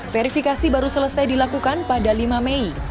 verifikasi baru selesai dilakukan pada lima mei